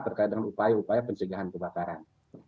terkait dengan upaya upaya pencegahan kebakaran